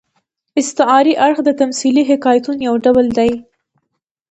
استعاري اړخ د تمثيلي حکایتونو یو ډول دئ.